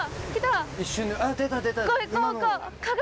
一瞬出た出た今の。